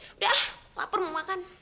udah lapar mau makan